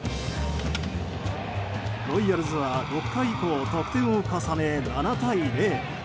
ロイヤルズは６回以降得点を重ね７対０。